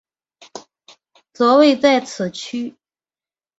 则位在此区。